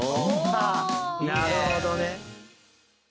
「なるほどね」